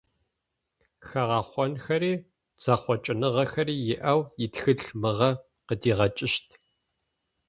Хэгъэхъонхэри зэхъокӏыныгъэхэри иӏэу итхылъ мыгъэ къыдигъэкӏыщт.